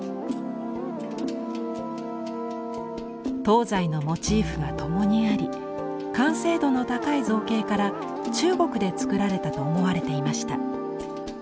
東西のモチーフがともにあり完成度の高い造形から中国で作られたと思われていました。